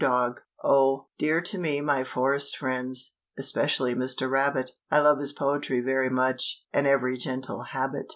DOG. Oh, dear to me my forest friends, Especially Mr. Rabbit I love his poetry very much, And every gentle habit.